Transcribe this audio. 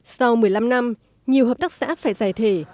sau một mươi năm năm nhiều hợp tác xã phải giải thể